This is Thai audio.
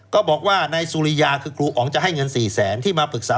ก็บอกว่านายสุริยาคือครูอ๋องจะให้เงิน๔แสนที่มาปรึกษา